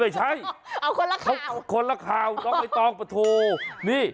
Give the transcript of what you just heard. ไม่ใช่เอาคนละข่าวคนละข่าวน้องใบตองประโทนี่